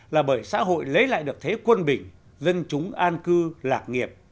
là bởi xã hội lấy lại được thế quân bình dân chúng an cư lạc nghiệp